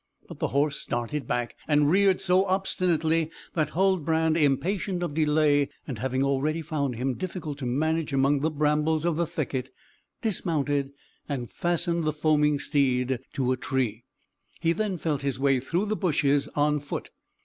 But the horse started back, and reared so obstinately that Huldbrand, impatient of delay, and having already found him difficult to manage among the brambles of the thicket, dismounted, and fastened the foaming steed to a tree; he then felt his way through the bushes on foot.